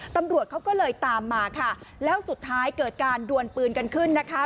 ตำรวจเขาก็เลยตามมาค่ะแล้วสุดท้ายเกิดการดวนปืนกันขึ้นนะคะ